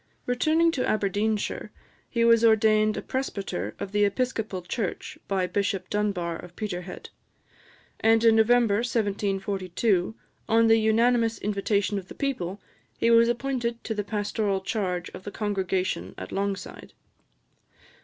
Returning to Aberdeenshire, he was ordained a presbyter of the Episcopal Church, by Bishop Dunbar of Peterhead; and in November 1742, on the unanimous invitation of the people, he was appointed to the pastoral charge of the congregation at Longside.